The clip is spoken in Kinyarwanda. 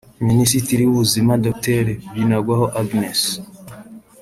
Minisitiri w’Ubuzima Dr Binagwaho Agnes